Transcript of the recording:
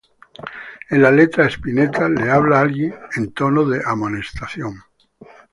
En la letra Spinetta le habla a alguien en tono de amonestación.